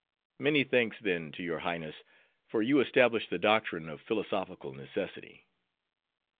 "Many thanks then to your highness; for you establish the doctrine of Philosophical Necessity."